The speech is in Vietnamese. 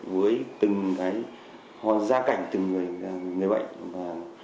với từng cái hoàn gia cảnh từng người bệnh